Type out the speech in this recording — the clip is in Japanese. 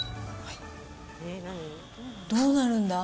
どうなるんだ？